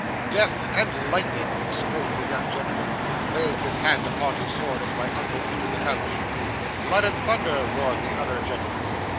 '"Death and lightning!" exclaimed the young gentleman, laying his hand upon his sword as my uncle entered the coach. '"Blood and thunder!" roared the other gentleman.